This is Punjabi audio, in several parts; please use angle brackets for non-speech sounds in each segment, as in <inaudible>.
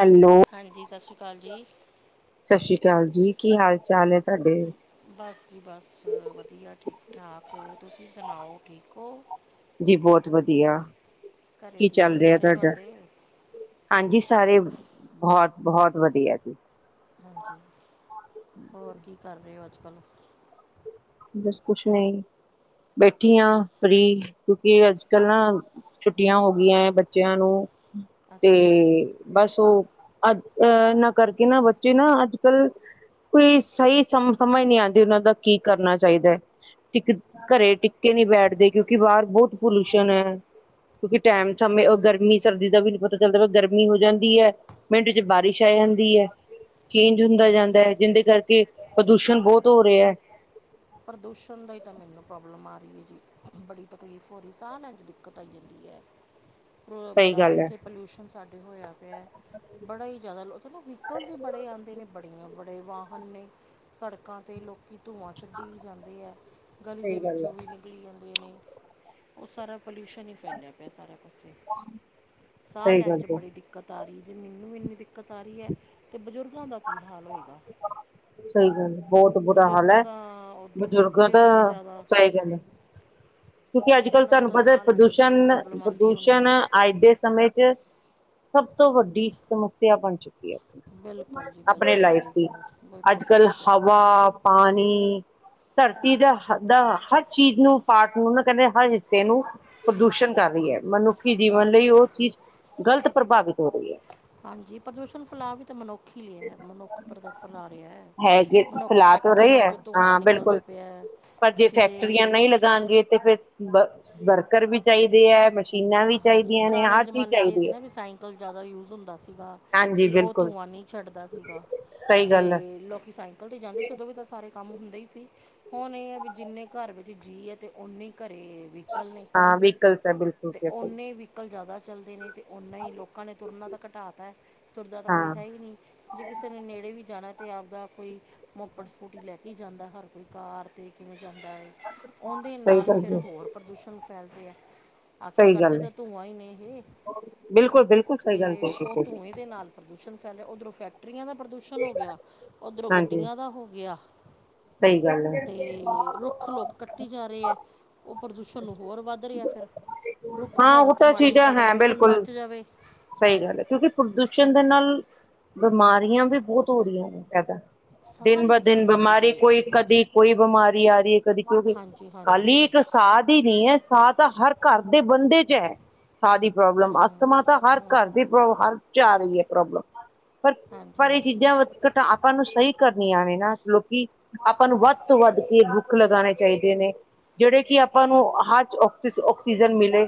ਹੈਲੋ ਹਾਂਜੀ, ਸਾ ਸ੍ਰੀ ਕਾਲ ਜੀ। ਸਤਿ ਸ੍ਰੀ ਅਕਾਲ ਜੀ, ਕੀ ਹਾਲ-ਚਾਲ ਏ ਤਾਡੇ? ਬਸ ਜੀ ਬਸ ਵਧੀਆ ਠੀਕ-ਠਾਕ, ਤੁਸੀਂ ਸੁਣਾਓ ਠੀਕ ਓ? ਜੀ ਬੋਤ ਵਧੀਆ, ਘਰੇ ਕੀ ਠੀਕ ਹੈ ਚੱਲ ਰੇਹਾ ਸਾਰੇ ਤਾਡਾ? ਤੁਹਾਡੇ ਹਾਂਜੀ ਸਾਰੇ ਬੋਹਤ-ਬੋਹਤ ਵਧੀਐ। ਹਾਂਜੀ, ਹੋਰ ਕੀ ਕਰ ਰਹੇ ਹੋ ਅੱਜ-ਕੱਲ੍ਹ? ਬਸ ਕੁੱਛ ਨਹੀਂ, ਬੈਠੀ ਆ ਫ੍ਰੀ ਕਿਉਂਕਿ ਅੱਜ-ਕੱਲ ਨਾ ਛੁੱਟੀਆਂ ਹੋ ਗਈਆਂ ਏ ਬੱਚਿਆਂ ਨੂੰ ਤੇ ਅੱਛਾ ਜੀ ਬਸ ਓ ਅੱਜ ਅਹ ਏਨਾ ਕਰਕੇ ਨਾ ਬੱਚੇ ਨਾ ਅੱਜ-ਕੱਲ ਕੋਈ ਸਹੀ ਸਮ ਸਮਝ ਨਈ ਆਂਦੀ ਓਨਾਂ ਦਾ ਕੀ ਕਰਨਾ ਚਾਇਦਾ? ਇੱਕ ਘਰੇ ਟਿੱਕੇ ਨਹੀਂ ਬੈਠਦੇ, ਕਿਉਂਕਿ ਬਾਰ ਬੋਤ ਪੋਲੂਸ਼ਨ ਐ। ਕਿਉਂਕਿ ਟੈਮ ਸਮੇਂ ਗਰਮੀ-ਸਰਦੀ ਦਾ ਵੀ ਨੀ ਪਤਾ ਚੱਲਦਾ, ਕਦੇ ਗਰਮੀ ਹੋ ਜਾਂਦੀ ਐ। ਮਿੰਟ ਚ ਬਾਰਿਸ਼ ਆ ਜਾਂਦੀ ਐ। ਚੇਂਜ ਹੁੰਦਾ ਜਾਂਦਾ ਹਾਂਜੀ ਏ ਜਿੰਦੇ ਕਰਕੇ ਪ੍ਰਦੂਸ਼ਣ ਬੋਹਤ ਹੋ ਰੇਹਾ। ਪ੍ਰਦੂਸ਼ਣ ਦਾ ਈ ਤਾਂ ਮੈਨੂੰ ਪ੍ਰੋਬਲਮ ਆ ਰਹੀ ਐ ਜੀ। ਬੜੀ ਤਕਲੀਫ਼ ਹੋ ਰੀ ਸਾਹ ਲੈਣ ਚ ਦਿੱਕਤ ਆਈ ਜਾਂਦੀ ਐ, ਸਹੀ ਬੜਾ ਗੱਲ ਹੈ ਇੱਥੇ ਪੋਲੂਸ਼ਨ ਸਾਡੇ ਹੋਇਆ ਪਯਾ। ਬੜਾ ਈ ਜਾਦਾ ਚਲੋ ਵਹੀਕਲਸ ਵੀ ਬੜੇ ਆਂਦੇ ਨੇ, ਬੜੀਆਂ ਬੜੇ ਵਾਹਨ ਨੇ ਸੜਕਾਂ ਤੇ ਲੋਕੀ ਧੂੰਆਂ ਛੱਡੀ ਵੀ ਜਾਂਦੇ ਐ, ਗਲੀ ਸਹੀ ਦੇ ਗੱਲ ਵਿੱਚੋਂ ਹੈ ਨਿਕ ਲੀ ਜਾਂਦੇ ਨੇ। ਓ ਸਾਰਾ ਪੋਲੂਸ਼ਨ ਈ ਫੈਲਿਆ ਪਯਾ ਸਾਰੇ ਪਾਸੇ। ਸਾਹ ਸਹੀ ਲੈਣ ਗੱਲ ਚ ਹੈ ਬੜੀ ਦਿੱਕਤ ਆ ਰੀ ਜੇ ਮੈਨੂੰ ਵੀ ਇੰਨੀ ਦਿੱਕਤ ਦਿੱਕਤ ਆਰੀ ਐ, ਤੇ ਬਜ਼ੁਰਗਾਂ ਦਾ ਕੀ ਹਾਲ ਹੋਏਗਾ। ਸਹੀ ਗੱਲ ਐ। ਬੋਹਤ ਬੁਰਾ ਹਾਲ ਬਜ਼ੁਰਗਾਂ ਹੈ, ਤਾਂ ਉਦੋਂ ਵੀ ਬਜ਼ੁਰਗ ਔਖੇ ਦਾ ਹੋਣਗੇ ਜ਼ਿਆਦਾ ਸਹੀ ਗਲ ਐ। ਕਿਉਂਕਿ ਅੱਜ-ਕੱਲ ਉਹਨਾਂ ਨੂੰ ਤਾਨੂੰ ਤਾਂ ਪਤਾ ਸਾਹ ਲੈਣ 'ਚ ਬੜੀ ਪ੍ਰੋਬਲਮ ਆਉਂਦੀ ਹੋਣੀ ਪ੍ਰਦੂਸ਼ਣ-ਪ੍ਰਦੂਸ਼ਣ ਹੈ ਅੱਜ ਦੇ ਸਮੇਂ ਚ, ਸਭ ਤੋਂ ਵੱਡੀ ਸਮੱਸਿਆ ਬਣ ਚੁੱਕੀ ਐ। ਬਿਲਕੁਲ ਜੀ-ਬਿਲਕੁਲ ਸਹੀ ਕੇਹਾ ਬਿਲ ਅੱਜ-ਕੱਲ ਹਵਾ, ਪਾਣੀ ਧਰਤੀ ਦਾ ਹਦ ਆ ਹਰ ਚੀਜ਼ ਨੂੰ ਪਾਾਰਟ ਨੂੰ ਨਾ ਕਹਿੰਦੇ ਹਰ ਹਿੱਸੇ ਨੂੰ ਪ੍ਰਦੂਸ਼ਣ ਕਰ ਰੀ ਐ। ਮਨੁੱਖੀ ਜੀਵਨ ਲਈ ਉਹ ਚੀਜ਼ ਗ਼ਲਤ ਪ੍ਰਭਾਵਿਤ ਹੋ ਰਹੀ ਐ। ਹਾਂਜੀ ਪ੍ਰਦੂਸ਼ਣ ਫੈਲਾ ਵੀ ਤਾਂ ਮਨੁੱਖ ਹੀ ਰੇਯਾ, ਮਨੁੱਖ ਪ੍ਰਦ ਫੈਲਾ ਰੇਹਾ। ਹੈਗੇ ਫੇਲਾ ਤੋ ਰਹੇ ਹੈ। ਹਾਂ ਨਿਕਲਦਾ ਬਿਲਕੁਲ ਪਿਆ ਹੈ ਪਰ ਜੇ ਫੈਕਟਰੀਆਂ ਕਿਤੇ ਨਹੀਂ ਲੱਗ ਗਾਂਗੇ ਤੇ ਫਿਰ ਵ ਵਰਕਰ ਵੀ ਚਾਇਦੇ ਐ- ਹਾਂਜੀ ਪੁਰਾਣੇ ਜ਼ਮਾਨੇ ਚ ਇਹ ਸੀ ਹੈ ਨਾ ਵੀ ਸਾਇਕਲ ਜ਼ਿਆਦਾ ਯੂਜ਼ ਹੁੰਦਾ ਸੀਗਾ। ਹਾਂਜੀ ਤੇ ਓ ਬਿਲਕੁਲ ਧੂੰਆਂ ਨਹੀਂ ਛੱਡਦਾ ਸੀਗਾ। ਸਹੀ ਗੱਲ ਐ। ਲੋਕੀ ਸਾਈਕਲ ਤੇ ਜਾਂਦੇ ਸੀ, ਉਦੋਂ ਵੀ ਤਾਂ ਸਾਰੇ ਕੰਮ ਹੁੰਦੇ ਹੀ ਸੀ। ਹੁਣ ਏ ਹੈ ਵੀ ਜਿੰਨੇ ਘਰ ਵਿੱਚ ਜੀ ਐ ਤੇ ਓਨੇ ਈ ਕਰੇ ਹਾਂ ਵਿਕਲਸ ਐ ਬਿਲ ਤੇ ਓਨੇ ਹੀ ਵਿਕਲ ਜ਼ਿਆਦਾ ਚੱਲਦੇ ਨੇ, ਤੇ ਓਨਾਂ ਹੀ ਲੋਕਾਂ ਨੇ ਤੁਰਨਾ ਤਾਂ ਕਟਾ ਤੈ- ਤੁਰਦਾ ਤਾਂ ਕੋਈ ਹਾਂ ਹੈ ਈ ਨੀ ਜੇ ਕਿਸੇ ਨੇ ਨੇੜੇ ਵੀ ਜਾਣਾ ਤੇ ਆਪ ਦਾ ਕੋਈ- ਮੋਪੜ ਸਕੂਟੀ ਲੈ ਕੇ ਹੀ ਜਾਂਦਾ ਹਰ ਕੋਈ ਕਾਰ ਤੇ ਕਿਵੇਂ ਜਾਂਦਾ ਏ। ਉਦੇ ਸਹੀ ਨਾਲ ਗੱਲ ਫੇਰ ਹੋਰ ਪ੍ਰਦੂਸ਼ਣ ਫੈਲਦੇ ਐ। ਆਖਿਰ ਸਹੀ ਕੱਢਦੇ ਗੱਲ ਹੈ ਤਾਂ ਧੂੰਆਂ ਈ ਨੇ ਇਹ, ਬਿਲਕੁਲ-ਬਿਲਕੁਲ ਸਹੀ ਗੱਲ ਤੇ ਕਹੀ ਉਹ ਤੁਸੀਂ ਧੂੰਏ ਦੇ ਨਾਲ ਪ੍ਰਦੂਸ਼ਣ ਫੈਲਿਆ। ਉੱਧਰੋਂ ਫੈਕਟਰੀਆਂ ਦਾ ਪ੍ਰਦੂਸ਼ਣ ਹੋ ਗਿਆ, ਉੱਧਰੋਂ ਹਾਂਜੀ ਗੱਡੀਆਂ ਦਾ ਹੋ ਗਿਆ। ਸਹੀ ਗੱਲ ਹੈ ਤੇ ਰੁੱਖ ਖਲੋਕ ਕੱਟੀ ਜਾ ਰਹੇ ਐ, ਉਹ ਪ੍ਰਦੂਸ਼ਣ ਹੋਰ ਵੱਧ ਰੇਹਾ ਫੇਰ ਹਾਂ ਉਹ ਤਾਂ ਚੀਜ਼ਾਂ ਹੈ ਪ੍ਰਦੂਸ਼ਣ ਬਿਲਕੁਲ ਬਚ ਜਾਵੇ ਸਹੀ ਗੱਲ ਐ ਕਿਉਂਕਿ ਪ੍ਰਦੂਸ਼ਣ ਦੇ ਨਾਲ ਬਿਮਾਰੀਆਂ ਵੀ ਬੋਤ ਹੋ ਰਹੀਆਂ ਨੇ ਜਾਦਾ ਦਿਨ ਸਾਰੀ ਬ ਦਿਨ ਦਿੱਕਤ ਆਉਂਦੀ ਬਿਮਾਰੀ, ਪਈ ਹੈ ਕੋਈ ਕਦੀ ਕੋਈ ਬਿਮਾਰੀ ਆ ਰਹੀ ਐ। ਕਦੀ ਕੋਈ, ਹਾਂਜੀ ਹਾਂਜੀ ਖਾਲੀ ਇੱਕ ਸਾਹ ਦੀ ਨੀ ਹੈ, ਸਾਹ ਤਾਂ ਹਰ ਘਰ ਦੇ ਬੰਦੇ ਚ ਐ। ਸਾਹ ਦੀ ਪ੍ਰੋਬਲਮ, ਅਸਥਮਾ ਤਾ ਹਰ ਕਾਰ ਦੀ ਪ੍ਰੋਬ ਹਰ ਘਰ ਚ ਆ ਰਹੀ ਐ ਪ੍ਰੋਬਲਮ ਪਰ, ਹਾਂਜੀ ਪਰ ਇਹ ਹਾਂਜੀ ਚੀਜ਼ਾਂ ਘਟਾ ਆਪਾਂ ਨੂੰ ਸਹੀ ਕਰਨੀਆਂ ਨੇ ਨਾ। ਲੋਕੀ ਆਪਾਂ ਨੂੰ ਵੱਧ ਤੋਂ ਵੱਧ ਕੇ ਬੁੱਕ ਲਗਾਣੇ ਚਾਹੀਦੇ ਨੇ ਜਿਹੜੇ ਕਿ ਆਪਾਂ ਨੂੰ ਹਰ ਆਕਸੀ ਆਕਸੀਜਨ ਮਿਲੇ।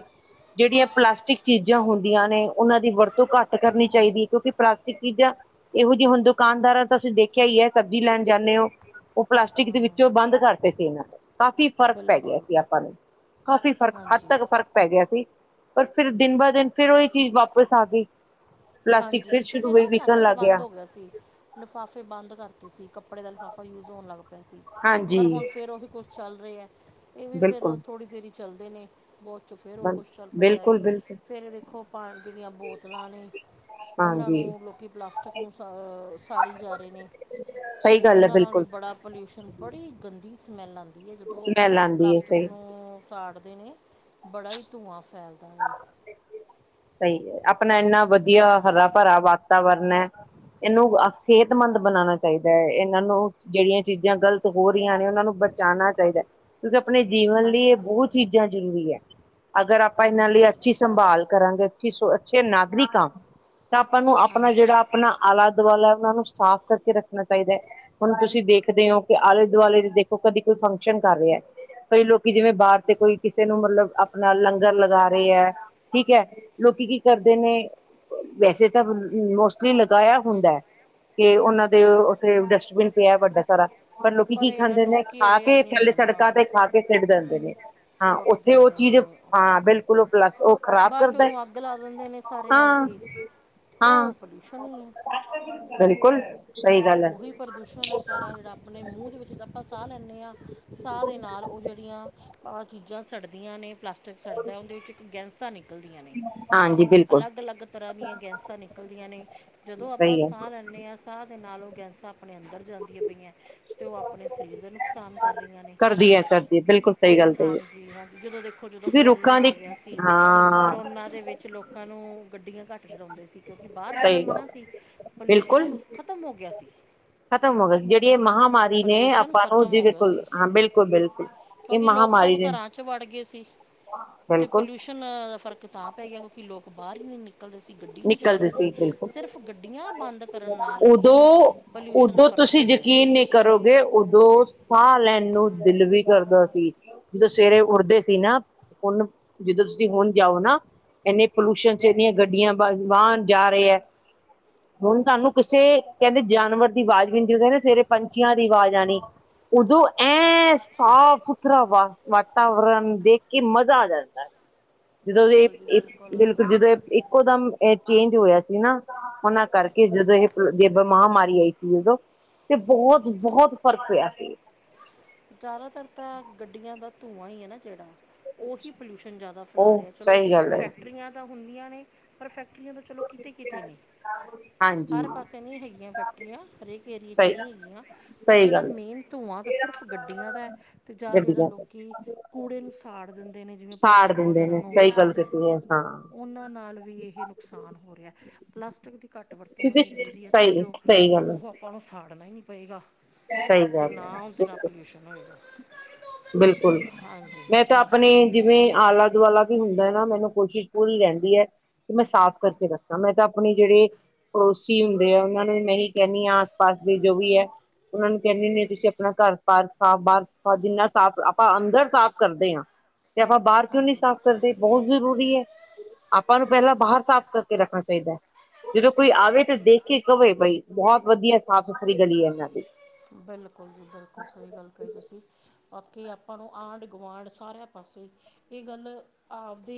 ਜਿਹੜੀਆਂ ਪਲਾਸਟਿਕ ਚੀਜ਼ਾਂ ਹੁੰਦ ਦਿਆਂ ਨੇ ਉਹਨਾਂ ਦੀ ਵਰਤੋਂ ਘੱਟ ਕਰਨੀ ਚਾਹੀਦੀ ਐ। ਕਿਉਂਕਿ ਪਲਾਸਟਿਕ ਚੀਜ਼ਾਂ ਇਹੋ ਜਿਹੇ ਹੁਣ ਦੁਕਾਨਦਾਰਾਂ ਤਾਂ ਤੁਸੀਂ ਦੇਖਿਆ ਈ ਐ। ਸਬਜ਼ੀ ਲੈਣ ਜਾਂਦੇ ਹੋ ਉਹ ਪਲਾਸਟਿਕ ਦੇ ਵਿੱਚੋਂ ਬੰਦ ਕਰਤੇ ਸੀ ਇਹਨਾਂ ਨੇ। ਕਾਫ਼ੀ ਫਰਕ ਪੈ ਗਿਆ ਬਿਲਕੁਲ ਸੀ ਆਪਾਂ ਨੂੰ, ਕਾਫ਼ੀ ਫਰਕ ਹਾਂਜੀ ਫ਼ਰਕ ਪੈ ਗਿਆ ਸੀ। ਪਰ ਫਿਰ ਦਿਨ ਬਰ ਦਿਨ ਫਿਰ ਓਈ ਚੀਜ਼ ਵਾਪਿਸ ਆ ਗਈ ਪਲਾਸਟਿਕ ਹਾਂਜੀ ਫਿਰ ਵਿਚੋ ਸ਼ੁਰੂ ਜੀ ਨਾ ਹੋਈ ਵਿਕਣ ਪਲਾਸਟਿਕ ਲੱਗ ਬੰਦ ਹੋ ਗਿਆ ਸੀ। ਲਿਫਾਫੇ ਬੰਦ ਕਰਤੇ ਸੀ, ਕੱਪੜੇ ਦਾ ਲਿਫਾਫਾ ਯੂਜ ਹੋਣ ਲੱਗ ਪਿਆ ਸੀ। ਹਾਂਜੀ ਪਰ ਹੁਣ ਫਿਰ ਉਹੀ ਕੁਛ ਚੱਲ ਰਹੇ ਐ। ਇਹ ਵੀ ਫਿਰ ਬਿਲਕੁਲ ਥੋੜ੍ਹੀ ਦੇਰ ਈ ਚੱਲਦੇ ਨੇ ਬਾਦ ਚ ਫਿਰ ਉਹ ਕੁਛ ਚੱਲ ਪੈਂਦਾ ਏ। ਬਿਲਕੁਲ ਬਿਲਕੁਲ ਫਿਰ ਦੇਖੋ ਪਾਣੀ ਦਿਆ ਬੋਤਲਾਂ ਨੇ ਉਹਨਾਂ ਹਾਂਜੀ ਨੂੰ ਲੋਕੀ ਪਲਾਸਟਕ ਨੂੰ ਸ ਅ ਸਾੜੀ ਜਾ ਰਹੇ ਨੇ ਸਹੀ ਗੱਲ ਏ ਉਹਨਾਂ ਨਾਲ ਵੀ ਬਿਲਕੁਲ ਬੜਾ ਪੋਲਿਊਸ਼ਨ, ਬੜੀ ਗੰਦੀ ਸਮੈਲ ਆਂਦੀ ਏ, ਜਦੋਂ ਸਮੈਲ ਆਉਂਦੀ ਹੈ ਪਲਾਸਟਕ ਸਹੀ ਨੂੰ ਸਾੜਦੇ ਨੇ, ਬੜਾ ਹੀ ਧੂੰਆਂ ਫੈਲਦਾ ਏ। ਸਹੀ ਗਲ, ਆਪਣਾ ਏਨਾ ਵਧੀਆ ਹਰਾ-ਭਰਾ ਵਾਤ ਵਾਤਾਵਰਨ ਏ, ਇਹਨੂੰ ਸਿਹਤਮੰਦ ਬਣਾਣਾ ਚਾਹੀਦਾ ਏ। ਇਹਨਾਂ ਨੂੰ ਜਿਹੜੀਆਂ ਚੀਜ਼ਾਂ ਗਲਤ ਹੋ ਰਹੀਆਂ ਨੇ ਉਹਨਾਂ ਨੂੰ ਬਚਾਣਾ ਚਾਹੀਦਾ ਏ। ਕਿਉਂਕਿ ਆਪਣੇ ਜੀਵਨ ਲਈ ਹਾਂਜੀ ਇਹ ਬਹੁਤ ਚੀਜ਼ਾਂ ਜ਼ਰੂਰੀ ਹੈ, ਅਗਰ ਆਪਾਂ ਇਹਨਾ ਹਾਂਜੀ ਲਈ ਹਾਂਜੀ ਅੱਛੀ ਸੰਭਾਲ ਕਰਾਂਗੇ ਅੱਛੀ ਸ ਅੱਛੇ ਨਾਗਰਿਕ ਆ ਤਾਂ ਆਪਾਂ ਨੂੰ ਆਪਣਾ ਹਾਂਜੀ ਜੇੜਾ ਆਪਣਾ ਆਲਾ-ਦੁਵਾਲਾ ਏਨਾ ਨੂੰ ਸਾਫ ਕਰਕੇ ਰੱਖਣਾ ਚਾਹੀਦਾ ਏ। ਹੁਣ ਤੁਸੀ ਦੇਖਦੇ ਹੋ ਕਿ ਆਲੇ ਦੁਆਲੇ ਦੇ ਦੇਖੋ ਕਦੇ ਕੋਈ ਫੰਕਸ਼ਨ ਕਰ ਰਿਹਾ। ਕਈ ਲੋਕ ਜਿਵੇ ਬਾਰ ਤੇ ਕੋਈ ਕਿਸੇ ਨੂੰ ਮਤਲਬ ਆਪਣਾ ਲੰਗਰ ਲਗਾ ਰਹੇ ਐ। ਠੀਕ ਐ, ਲੋਕੀ ਕੀ ਕਰਦੇ ਨੇ ਵੈਸੇ ਤਾਂ ਮੋਸਟਲੀ ਲਗਾਇਆ ਹੁੰਦਾ ਐ। ਕਿ ਉਨਾ ਦੇ ਉੱਥੇ ਡਸਟਬਿਨ ਪਿਆ ਵੱਡਾ ਸਾਰਾ ਪਰ ਲੋਕੀ ਕੀ ਇਹ ਨਾ ਖਾਂਦੇ ਨੇ, ਲੋਕੀ ਖਾ ਅਵੇਅਰ ਕੇ ਨਹੀਂ ਥਲੇ ਹੁੰਦੇ ਨਾ ਸੜਕਾਂ ਤੇ ਖਾ ਕੇ ਸਿੱਟ ਦਿੰਦੇ ਨੇ। ਹਾਂ ਸੁੱਟ ਉੱਥੇ ਉਹ ਚੀਜ਼, ਹਾਂ ਬਿਲਕੁਲ ਉਹ ਪਲੱਸ ਉਹ ਖ਼ਰਾਬ ਬਾਦ ਚੋ ਕਰਦਾ ਹੈ ਓਨੂੰ ਅੱਗ ਲਾ ਦਿੰਦੇ ਨੇ ਸਾਰੇ ਰਲ ਹਾਂ ਕੇ ਉਹ ਹਾਂ ਪੋਲੂਸ਼ਨ ਹੀ ਐ, ਬਿਲਕੁਲ ਸਹੀ ਗੱਲ ਹੈ ਉਹੀ ਪ੍ਰਦੂਸ਼ਣ ਹੈ ਸਾਰਾ ਜੇੜਾ ਆਪਣੇ ਮੂੰਹ ਦੇ ਵਿੱਚ, ਆਪਾਂ ਸਾਹ ਲੈਂਦੇ ਹਾਂ ਸਾਹ ਦੇ ਨਾਲ ਉਹ ਜੇੜੀਆਂ ਆਹ ਚੀਜ਼ਾਂ ਸੜਦੀਆਂ ਨੇ ਪਲਾਸਟਿਕ ਸੜਦਾ ਉਹਦੇ ਵਿੱਚ ਇੱਕ ਗੈਸਾ ਨਿਕਲਦੀਆਂ ਨੇ। ਹਾਂਜੀ ਬਿਲਕੁਲ ਅਲੱਗ-ਅਲੱਗ ਤਰ੍ਹਾਂ ਦੀਆਂ ਗੈਸਾਂ ਨਿਕਲਦੀਆਂ ਨੇ ਜਦੋਂ ਆਪਾ ਸਹੀ ਹੈ ਸਾਹ ਲੈਣੇ ਆ। ਸਾਹ ਦੇ ਨਾਲ ਉਹ ਗੈਸਾਂ ਆਪਣੇ ਅੰਦਰ ਜਾਂਦੀਆਂ ਪਈਆਂ ਤੇ ਉਹ ਆਪਣੇ ਸਰੀਰ ਦੇ ਨੁਕਸ਼ਾਨ ਕਰ ਰਹੀਆਂ ਨੇ, ਕਰਦੀ ਹੈ ਕਰਦੀ ਹੈ ਬਿਲਕੁਲ ਸਹੀ ਗੱਲ ਸਹੀ ਹੈ ਹਾਂਜੀ-ਹਾਂਜੀ ਜਦੋਂ ਦੇਖੋ ਜਦੋਂ ਕਿਉਂਕਿ ਕਰੋਨਾ ਰੁੱਖਾਂ ਆ ਦੀ ਗਿਆ ਸੀ। ਹਾਂ ਕਰੋਨਾ ਦੇ ਵਿੱਚ ਲੋਕਾਂ ਨੂੰ ਗੱਡੀਆਂ ਘੱਟ ਚੱਲਾਦੇ ਸੀ। ਕਿਉਕਿ ਬਾਹਰ ਜਾਣਾ ਸਹੀ ਗੱਲ ਮਨਾ ਸੀ ਪੋਲਿਊਸ਼ਨ ਬਿਲਕੁਲ ਖਤਮ ਹੋ ਗਿਆ ਸੀ ਖਤਮ ਹੋ ਗਈ ਸੀ ਜੇੜੀ ਇਹ ਮਹਾਂਮਾਰੀ ਨੇ ਪੋਲਿਊਸ਼ਨ ਆਪਾਂ ਨੂੰ ਖਤਮ ਜੀ ਹੋ ਗਿਆ ਬਿਲਕੁੱਲ ਸੀ ਹਾਂ ਬਿਲਕੁੱਲ ਬਿਲਕੁੱਲ ਇਹ ਕਿਉਂਕਿ ਲੋਕ ਮਹਾਮਾਰੀ ਸਭ ਨੇ ਘਰਾਂ 'ਚ ਵੜ ਗਏ ਸੀ ਹ ਅਤੇ ਪੋਲਿਊਸ਼ਨ ਦਾ ਫਰਕ ਤਾਂ ਪੈ ਗਿਆ ਕਿਉਕਿ ਲੋਕ ਬਾਹਰ ਹੀ ਨਹੀਂ ਨਿਕਲਦੇ ਨਿਕਲਦੇ ਸੀ ਗੱਡੀ ਨੀ ਨਿਕਲਦੀ ਚਲਾਂਦੇ ਸੀ ਬਿਲਕੁਲ ਸਿਰਫ ਗੱਡੀਆਂ ਬੰਦ ਕਰਨ ਨਾਲ ਹੀ ਉਦੋਂ ਪੋਲਿਊਸ਼ਨ ਦਾ ਉਦੋਂ ਫ਼ਰਕ ਤੁਸੀਂ ਪੈ ਗਿਆ ਸੀ ਯਕੀਨ ਨੀ ਕਰੋਗੇ ਉਦੋਂ ਸਾਹ ਲੈਣ ਨੂੰ ਦਿਲ ਵੀ ਕਰਦਾ ਸੀ। ਜਦੋਂ ਸਵੇਰੇ ਉੱਠਦੇ ਸੀ ਨਾ ਉਹਨੂੰ ਜਦੋ ਤੁਸੀਂ ਹੁਣ ਜਾਓ ਨਾ ਇੰਨੇ ਪੋਲਿਊਸ਼ਨ ਚ ਇੰਨੀਆਂ ਗੱਡੀਆਂ ਵਾਹਨ ਜਾ ਰਹੇ ਹੈ ਹੁਣ ਤੁਹਾਨੂੰ ਕਿਸੇ ਕੈਂਦੇ ਜਾਨਵਰ ਦੀ ਆਵਾਜ਼ ਵੀ ਜਦੋ ਕੈਂਦੇ ਸਵੇਰੇ ਪੰਛੀਆਂ ਦੀ ਆਵਾਜ਼ ਆਣੀ ਉਦੋਂ ਐ ਸਾਫ਼ ਸੁਥਰਾ ਵਾਤਾਵਰਨ ਦੇਖ ਕੇ ਮਜ਼ਾ ਆ ਜਾਂਦਾ ਹੈ ਹ ਜਦੋਂ ਬਿਲਕੁੱਲ ਜਦੋਂ ਇੱਕੋ ਦਮ ਚੇਂਜ ਹੋਇਆ ਸੀ ਨਾ ਉਹਨਾ ਕਰਕੇ ਕਿ ਜਦੋਂ ਇਹ ਜੇ ਮਹਾਂਮਾਰੀ ਆਈ ਸੀ ਜਦੋਂ ਤੇ ਬੋਤ ਬਹੁਤ ਫਰਕ ਪਿਆ ਸੀ ਜ਼ਿਆਦਾ ਤਰ ਤਾਂ ਗੱਡੀਆਂ ਦਾ ਧੂੰਆਂ ਹੀ ਹੈ ਨਾ ਜੇੜਾ ਉਹੀ ਪੋਲਿਊਸ਼ਨ ਜ਼ਿਆਦਾ ਉਹ ਫੈਲਾ ਰਿਹਾ ਚਲੋ ਸਹੀ ਗੱਲ ਹੈ ਫੈਕਟਰੀਆਂ ਤਾਂ ਹੁੰਦੀਆਂ ਨੇ ਪਰ ਫੈਕਟਰੀਆਂ ਤੋਂ ਚਲੋ ਕਿਤੇ ਕਿਤੇ ਨੇ ਹਾਂਜੀ ਹਰ ਪਾਸੇ ਨਹੀ ਹੈਗੀਆਂ ਫੈਕਟਰੀਆਂ ਹਰੇਕ ਏਰੀਏ ਚ ਸਹੀ ਨਹੀਂ ਹੈਗੀਆਂ ਪਰ ਸਹੀ ਜੇੜਾ ਗੱਲ ਹੈ ਮੇਨ ਧੂੰਆਂ ਤਾਂ ਸਿਰਫ ਗੱਡੀਆਂ ਦਾ ਅਤੇ ਜਾਂ ਜੇੜਾ ਗੱਡੀਆਂ ਲੋਕੀ ਕੂੜੇ ਨੂੰ ਸਾੜ ਦਿੰਦੇ ਨੇ ਜਿਵੇਂ ਸਾੜ ਪਲਾਸਟਿਕ ਦਿੰਦੇ ਵਗੈਰਾ ਨੇ ਨੂੰ ਸਹੀ ਗੱਲ ਕੀਤੀ ਹੈ ਹਾਂ ਉਹਨਾਂ ਨਾਲ ਵੀ ਇਹ ਨੁਕਸਾਨ ਹੋ ਰਿਹਾ ਪਲਾਸਟਿਕ ਦੀ ਘੱਟ ਵਰਤ ਤੋਂ ਘਟ ਕਿਉਂਕਿ ਕਰਨੀ ਚਾਈਦੀ ਹੈ ਤਾਂ ਸਹੀ ਜੋ ਸਹੀ ਗੱਲ ਉਹ ਆਪਾਂ ਨੂੰ ਸਾੜਨਾ ਹੀ ਨਹੀਂ ਪਏਗਾ ਅਤੇ ਸਹੀਗੱਲ ਨਾ ਹੈ ਉਹਦੇ ਨਾਲ ਪੋਲਿਊਸ਼ਨ ਹੋਏਗਾ ਬਿਲਕੁੁਲ ਹਾਂਜੀ ਮੈਂ ਤਾਂ ਹਾਂਜੀ ਆਪਣੀ ਜਿਵੇਂ ਆਲਾ ਦੁਆਲਾ ਵੀ ਹੁੰਦਾ ਹੈ ਨਾ ਮੈਨੂੰ ਕੋਸ਼ਿਸ਼ ਪੂਰੀ ਰੈਂਦੀ ਹੈ ਤੇ ਮੈਂ ਸਾਫ਼ ਕਰਕੇ ਰੱਖਾਂ ਮੈਂ ਤਾਂ ਆਪਣੇ ਜੇੜੇ ਪੜੋਸੀ ਹੁੰਦੇ ਆ ਉਹਨਾਂ ਨੂੰ ਮੈਂ ਹੀ ਕੈਂਦੀ ਹਾਂ ਆਸ ਪਾਸ ਦੇ ਜੋ ਵੀ ਹੈ ਉਹਨਾਂ ਨੂੰ ਕੈਂਦੀ ਹੁਨੀ ਆਤੁਸੀਂ ਆਪਣਾ ਘਰ ਬਾਹਰ ਸਾਫ਼ ਬਾਹਰ ਜਿੰਨਾ ਸਾਫ਼ ਆਪਾਂ ਅੰਦਰ ਸਾਫ਼ ਕਰਦੇ ਹਾਂ ਤੇ ਆਪਾਂ ਬਾਹਰ ਕਿਉਂ ਨੀ ਹਾਂਜੀ ਸਾਫ਼ ਕਰਦੇ, ਬੋਤ ਜ਼ਰੂਰੀ ਐ। ਆਪਾਂ ਨੂੰ ਪੈਲਾਂ ਬਾਰ ਸਾਫ਼ ਕਰਕੇ ਰੱਖਣਾ ਚਾਈਦਾਂ ਐ। ਜਦੋਂ ਕੋਈ ਆਵੇ ਤਾਂ ਦੇਖ ਕੇ ਕਵੇ, ਬਈ ਬੋਤ ਵਧੀਆ ਸਾਫ਼ ਸੁਥਰੀ ਗਲੀ। ਹੈ ਇਹਨਾਂ ਦੀ ਬਿਲਕੁਲ ਜੀ ਬਿਲਕੁਲ ਸਹੀ ਗੱਲ ਕਹੀ ਤੁਸੀਂ। ਬਾਕੀ ਆਪਾਂ ਨੂੰ ਆਂਢ ਗੁਆਂਢ ਸਾਰਿਆਂ ਪਾਸੇ ਇਹ ਗੱਲ ਆਪਦੇ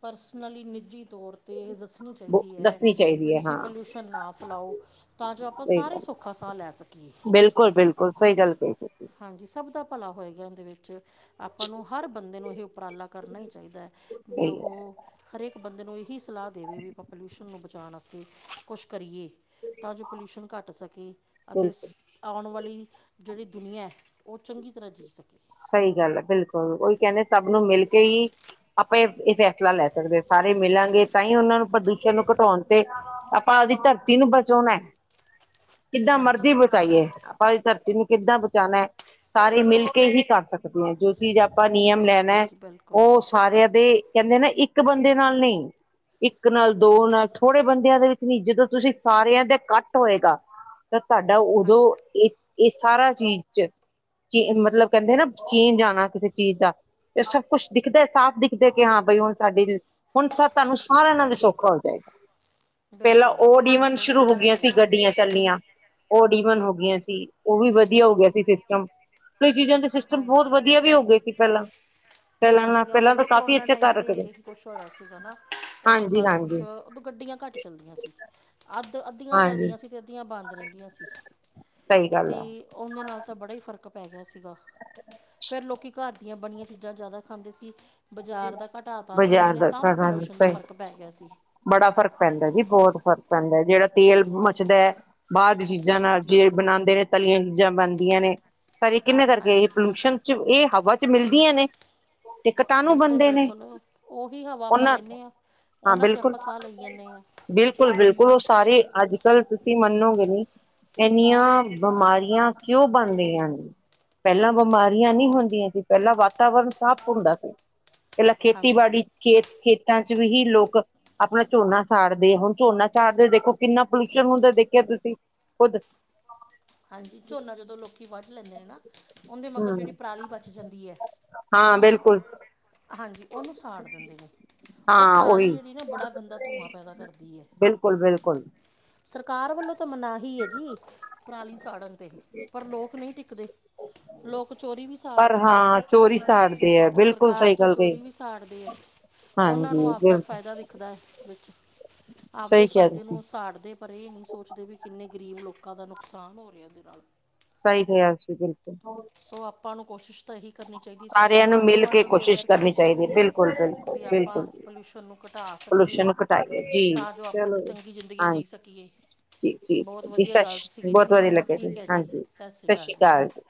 ਪਰਸਨਲੀ ਨਿੱਜੀ ਤੌਰ ਤੇ ਇਹ ਦੱਸਣੀ ਚਾਹੀਦੀ ਐ, ਦੱਸਣੀ ਵੀ ਚਾਹੀਦੀ ਹੈ ਤੁਸੀਂ ਹਾਂ ਪੋਲਿਊਸ਼ਨ ਨਾ ਫੈਲਾਓ ਤਾਂ ਜੋ ਆਪਾਂ ਸਹੀ ਗੱਲ ਸਾਰੇ ਸੌਖਾ ਸਾ ਲੈ ਸਕੀਏ। ਬਿਲਕੁਲ ਬਿਲਕੁਲ ਸਹੀ ਗੱਲ ਕਹੀ ਤੁਸੀਂ ਹਾਂਜੀ ਸਭ ਦਾ ਭਲਾ ਹੋਏਗਾ ਇਹਦੇ ਵਿੱਚ, ਆਪਾਂ ਨੂੰ ਹਰ ਬੰਦੇ ਨੂੰ ਇਹ ਉਪਰਾਲਾ ਕਰਨਾ ਹੀ ਚਾਹੀਦਾ ਐ, ਵੀ ਸਹੀ ਹੈ ਉਹ ਹਰੇਕ ਬੰਦੇ ਨੂੰ ਇਹੀ ਸਲਾਹ ਦੇਵੇ ਵੀ ਪੋਲਿਊਸ਼ਨ ਨੂੰ ਬਚਾਣ ਵਾਸ ਤੇ ਕੁਛ ਕਰੀਏ ਤਾਂ ਜੋ ਪੋਲਿਊਸ਼ਨ ਘੱਟ ਸਕੇ ਅਤੇ ਸ ਬਿਲਕੁਲ ਆਉਣ ਵਾਲੀ ਜੇੜੀ ਦੁਨੀਆ, ਉਹ ਚੰਗੀ ਤਰ੍ਹਾਂ ਜੀ ਸਕੇ। ਸਹੀ ਗੱਲ ਐ, ਬਿਲਕੁਲ ਓਹੀ ਕਹਿੰਦੇ ਸਭ ਨੂੰ ਮਿਲ ਕੇ ਈ ਆਪਾਂ ਇਹ ਫੈਸਲਾ ਲੈ ਸਕਦੇ ਆ, ਸਾਰੇ ਮਿਲਾਂਗੇ ਤਾਂਈਓਂ ਉਹਨਾਂ ਨੂੰ ਪ੍ਰਦੂਸ਼ਣ ਨੂੰ ਘਟਾਉਣ ਤੇ ਆਪਾਂ ਆਵਦੀ ਧਰਤੀ ਨੂੰ ਬਚਾਓਣਾ ਐ। <inaudible> ਕਿਦਾਂ ਮਰਜ਼ੀ ਬਚਾਈਏ, ਆਪਾਂ ਦੀ ਧਰਤੀ ਨੂੰ ਕਿੱਦਾਂ ਬਚਾਉਣਾ ਐ, ਸਾਰੇ ਮਿਲ ਕੇ ਹੀ ਕਰ ਸਕ ਦੇ, ਜੋ ਚੀਜ਼ ਆਪਾਂ ਨਿਯਮ ਲੈਣਾ ਬਿਲਕੁਲ ਐ, ਜੀ ਬਿਲਕੁਲ ਉਹ ਸਾਰਿਆਂ ਦੇ ਕਹਿੰਦੇ ਨਾ ਆ, ਇੱਕ ਬੰਦੇ ਨਾਲ ਨਹੀ। ਇੱਕ ਨਾਲ ਦੋ ਨਾਲ ਥੋੜੇ ਬੰਦਿਆਂ ਦੇ ਵਿੱਚ ਨੀ, ਜਦੋਂ ਤੁਸੀਂ ਸਾਰਿਆਂ ਦੇ ਕੱਟ ਹੋਏਗਾ। ਤਾਂ ਤੁਹਾਡਾ ਉਦੋਂ ਹਾਂਜੀ ਇਹ ਇਹ ਸਾਰਾ ਚੀਜ਼ ਚ ਮਤਲਬ ਕਹਿੰਦੇ ਨਾ ਚੇਂਜ ਆਣਾ ਕਿਸੇ ਚੀਜ਼ ਦਾ, ਸਭ ਕੁਛ ਦਿਖਦਾ ਸਾਫ਼ ਦਿ ਕਿੱਥੇ ਗਿਆ ਬਈ ਹੁਣ ਸਾਡੀ ਹੁਣ ਤੁਹਾਨੂੰ ਸਾਰਿਆਂ ਨਾਲੋਂ ਦੇ ਸੌਖਾ ਹੋ ਜਾਏਗਾ। ਪਹਿਲਾਂ ਬਿਲਕੁਲ ਜੀ ਓ ਤੁਸੀਂ ਡੀਵਨ ਬਿਲਕੁਲ ਸ਼ੁਰੂ ਸਹੀ ਹੋ ਕਹਿ ਗਿਆ ਰਹੇ ਸੀ ਗੱਡੀਆਂ ਚ ਚੱਲੀਆਂ ਓਹ ਡੀ ਵਨ ਹੋ ਗਈਆਂ ਸੀ, ਓਹ ਵੀ ਵਧੀਆ ਹੋ ਗਿਆ ਸੀ ਸਿਸਟਮ, ਕਈ ਚੀਜ਼ਾਂ ਤੇ ਸਿਸਟਮ ਬਹੁਤ ਹਾਂਜੀ ਵਧੀਆ ਵੀ ਹੋ ਗਏ ਸੀ ਪਹਿਲਾਂ। ਪਹਿਲਾਂ ਨਾਲ ਵਧੀਆ ਹੋ ਗੇ ਪਹਿਲਾਂ ਸ, ਤਾਂ ਓਹ ਕਾਫ਼ੀ ਕਰੋਨਾ ਅੱਛਾ ਟਾਈਮ ਕਰ ਤੇ ਰੱਖਦੇ ਇਹੀ ਕੁਛ ਹੋਇਆ ਸੀਗਾ ਨਾ, ਉਦੋਂ ਹਾਂਜੀ ਸਾਰਾ ਕੁਛ ਹਾਂਜੀ ਓਦੋਂ ਗੱਡੀਆਂ ਘੱਟ ਚਲਦੀਆਂ ਸੀ, ਅੱਧ ਅੱਧੀਆਂ ਹਾਂਜੀ ਚੱਲਦੀਆਂ ਸੀ ਤੇ ਅੱਧੀਆਂ ਬੰਦ ਰਹਿੰਦੀਆਂ ਸੀ। ਸਹੀ ਗੱਲ ਤੇ ਹੈ ਉਹਦੇ ਨਾਲ ਤਾਂ ਬੜਾ ਹੀ ਫ਼ਰਕ ਪੈ ਗਿਆ ਸੀਗਾ। ਫਿਰ ਲੋਕੀ ਘਰ ਦੀਆਂ ਬਣੀਆਂ ਚੀਜ਼ਾਂ ਜ਼ਿਆਦਾ ਖਾਂਦੇ ਸੀ, ਬਾਜ਼ਾਰ ਦਾ ਘਟਾ ਤਾ ਸੀ ਉਹਨਾਂ ਬਾਜ਼ਾਰ ਨੇ, ਦਾ ਤਾਂ ਵੀ ਪੋਲਿਊਸ਼ਨ ਦਾ ਸਹੀ ਫਰਕ ਪੈ ਗਿਆ ਸੀ। ਬੜਾ ਫ਼ਰਕ ਪੈਂਦਾ ਜੀ, ਬਹੁਤ ਫ਼ਰਕ ਪੈਂਦਾ, ਜਿਹੜਾ ਤੇਲ ਮਚਦਾ ਐ ਬਾਅਦ ਦੀ ਚੀ ਜਾ ਨਾਲ ਹਾਂਜੀ ਜੇ ਬਣਾਉਂਦੇ ਨੇ ਤਲੀਆਂ ਚੀਜ਼ਾਂ ਬਣਦੀਆਂ ਨੇ ਤਾਂ ਇਹ ਕਿਹਨਾਂ ਕਰਕੇ ਇਹ ਹਾਂਜੀ ਪੋਲਿਊਸ਼ਨ ਚ ਇਹ ਹਵਾ ਚ ਮਿਲਦੀਆਂ ਨੇ। ਤੇ ਕਟਾਣੂ ਬਣਦੇ ਨੇ ਬਿਲਕੁਲ-ਬਿਲਕੁਲ, ਓਹੀ ਹਵਾ ਆਪਾਂ ਉਹਨਾਂ ਲੈਂਦੇ ਆ, ਉਹਨਾਂ 'ਚ ਆਪਾਂ ਸਾਹ ਲਈ ਜਾਂਨੇ ਆ। ਬਿਲਕੁ-ਬਿਲਕੁਲ, ਉਹ ਸਾਰੇ ਅੱਜ ਕੱਲ ਤੁਸੀਂ ਮੰਨੋਗੇ ਨੀ ਇੰਨੀਆਂ ਬਮਾਰੀਆਂ ਕਿਉਂ ਬਣਦੀਆਂ ਨੇ? ਪਹਿਲਾਂ ਬਿਮਾਰੀਆਂ ਨੀ ਹੁੰਦੀਆਂ ਸੀ ਪਹਿਲਾਂ ਵਾਤਾਵਰਨ ਸਾਫ਼ ਹੁੰਦਾ ਸੀ। ਪਹਿਲਾਂ ਹਾਂਜੀ ਖੇਤੀਬਾੜੀ ਖੇਤ ਖੇਤਾਂ 'ਚ ਵੀ ਹੀ ਲੋਕ ਆਪਣਾ ਝੋਨਾ ਸਾੜਦੇ ਹੁਣ ਝੋਨਾ ਝਾੜਦੇ ਦੇਖੋਂ ਕਿੰਨਾ ਪੋਲਿਊਸ਼ਨ ਹੁੰਦਾ ਦੇਖਿਆ ਤੁਸੀਂ ਖੁੱਦ। <inaudible> <unintelligible> ਹਾਂਜੀ ਝੋਨਾ ਜਦੋਂ ਲੋਕੀ ਵੱਢ ਲੈਂਦੇ ਨੇ ਨਾ, ਉਹਦੇ ਮਗਰ ਹਮ ਜਿਹੜੀ ਪਰਾਲੀ ਬਚ ਜਾਂਦੀ ਐ। ਹਾਂ ਬਿਲਕੁਲ। ਹਾਂਜੀ, ਓਨੂੰ ਸਾੜ ਦਿੰਦੇ ਆ ਉਹ ਹਾਂ ਪਰਾਲੀ ਉਹੀ ਜਿਹੜੀ ਨਾ ਬੜਾ ਗੰਦਾ ਧੂੰਆਂ ਪੈਦਾ ਕਰਦੀ ਐ। ਬਿਲਕੁਲ -ਬਿਲਕੁਲ। ਸਰਕਾਰ ਵੱਲੋਂ ਤਾਂ ਮਨਾਹੀ ਐ ਜੀ ਪਰਾਲੀ ਸਾੜਨ ਤੇ, ਪਰ ਲੋਕ ਨਹੀਂ ਟਿਕਦੇ। ਲੋਕ ਚੋਰੀ ਵੀ ਸਾੜ ਪਰ ਦਿੰਦੇ ਐ, ਹਾਂ ਚੋਰੀ ਸਾੜਦੇ ਹੈ ਓਹ ਬਿਲਕੁਲ ਸਰਕਾਰ ਸਹੀ ਤੋਂ ਗੱਲ ਕਹੀ ਚੋਰੀ ਵੀ ਸਾੜਦੇ ਐ। ਉਹਨਾਂ ਨੂੰ ਹਾਂਜੀ ਆਪਦਾ ਬਿਲਕੁਲ ਫਾਇਦਾ ਦਿਖਦਾ ਐ ਵਿੱਚ, ਆਪਦੇ ਸਹੀ ਕਿਹਾ ਫ਼ਾਇਦੇ ਤੁਸੀਂ ਨੂੰ ਸਾੜਦੇ ਪਰ ਐ ਨਹੀਂ ਸੋਚਦੇ ਵੀ ਕਿੰਨੇ ਗਰੀਬ ਲੋਕਾਂ ਦਾ ਨੁਕਸਾਨ ਹੋ ਰਿਹਾ ਉਹਦੇ ਨਾਲ। ਸਹੀ ਕਿਹਾ ਜੀ ਬਿਲਕੁਲ। ਸੋ ਆਪਾਂ ਨੂੰ ਕੋਸ਼ਿਸ਼ ਤਾਂ ਇਹੀ ਕਰਨੀ ਚਾਹੀਦੀ ਐ ਸਾਰਿਆਂ ਆਪਣੇ ਆਂਢ ਮਿਲ ਗੁਆਂਢ ਕੇ ਨੂੰ ਵੀ ਕੋਸ਼ਿਸ਼ ਅਵੇਅਰ ਕਰਨੀ ਹੈ ਚਾਹੀਦੀ ਐ ਬਿਲਕੁਲ ਬਿਲਕੁਲ ਵੀ ਆਪਾਂ ਬਿਲਕੁਲ ਪੋਲਿਊਸ਼ਨ ਨੂੰ ਘਟਾ ਸਕੀਏ ਪੋਲਿਊਸ਼ਨ ਨੂੰ ਘਟਾਈਏ ਜੀ ਤਾਂ ਜੋ ਆਪਾਂ ਇੱਕ ਚਲੋ ਚੰਗੀ ਜ਼ਿੰਦਗੀ ਹਾਂਜੀ ਜੀ ਸਕੀਏ। ਜੀ ਜੀ ਬਹੁਤ ਜੀ ਵਧੀਆ ਗੱਲ ਤੁਸੀਂ ਸਤਿ ਬਹੁਤ ਕੀਤੀ ਵਧੀਆ ਲੱਗਿਆ ਠੀਕ ਐ ਜੀ ਹਾਂਜੀ ਸਤਿ ਸ਼੍ਰੀ ਅਕਾਲ ਜੀ।